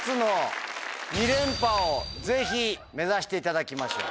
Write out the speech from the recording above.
をぜひ目指していただきましょう。